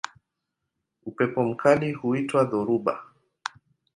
Upepo mkali huitwa dhoruba.